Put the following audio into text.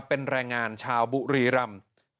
เป็นแรงงานชาวบุรีรำ